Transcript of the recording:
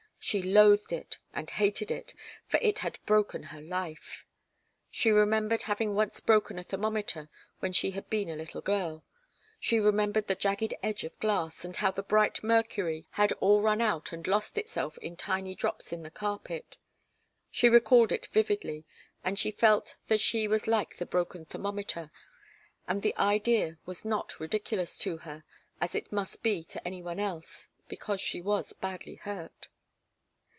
She loathed it and hated it, for it had broken her life. She remembered having once broken a thermometer when she had been a little girl. She remembered the jagged edge of glass, and how the bright mercury had all run out and lost itself in tiny drops in the carpet. She recalled it vividly, and she felt that she was like the broken thermometer, and the idea was not ridiculous to her, as it must be to any one else, because she was badly hurt.